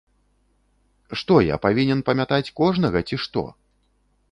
Што, я павінен памятаць кожнага, ці што?